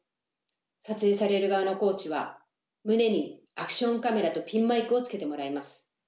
撮影される側のコーチは胸にアクションカメラとピンマイクをつけてもらいます。